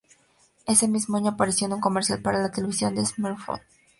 Ese mismo año apareció en un comercial para la televisión de "Smirnoff Ice".